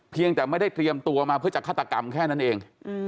แต่ไม่ได้เตรียมตัวมาเพื่อจะฆาตกรรมแค่นั้นเอง